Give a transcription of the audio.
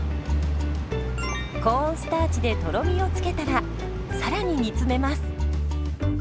コーンスターチでとろみを付けたらさらに煮詰めます。